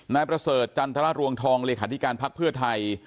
นายประเสริฐจันทรรวงทองเลขาธิการภักดิ์เพื่อไทย